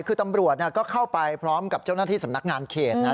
คือตำรวจก็เข้าไปพร้อมกับเจ้าหน้าที่สำนักงานเขตนะครับ